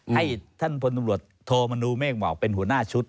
ให้ท่านพตโทมนูเมกหมอกเป็นหัวหน้าชุด